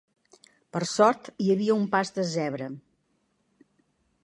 Per sort hi havia un pas de zebra.